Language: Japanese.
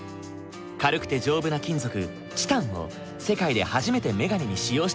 軽くて丈夫な金属チタンを世界で初めてメガネに使用したんだ。